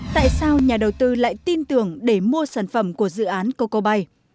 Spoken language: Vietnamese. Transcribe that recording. tại sao nhà đầu tư lại tin tưởng để mua sản phẩm của dự án coco bay